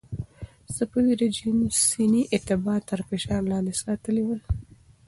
صفوي رژیم سني اتباع تر فشار لاندې ساتلي ول.